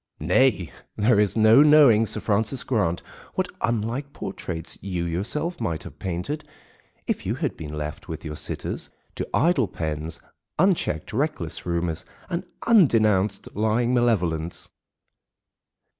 Nay, there is no knowing, Sir Francis Grant, what unlike portraits you yourself might have painted if you had been left, with your sitters, to idle pens, unchecked reckless rumours, and undenounced lying malevolence.